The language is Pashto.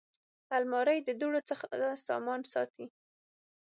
الماري د دوړو څخه سامان ساتي